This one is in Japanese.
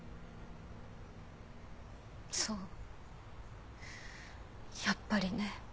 そうやっぱりね。